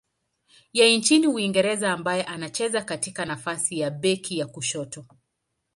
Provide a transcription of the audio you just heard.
ya nchini Uingereza ambaye anacheza katika nafasi ya beki wa kushoto.